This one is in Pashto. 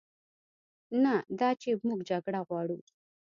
نه دا چې موږ جګړه غواړو،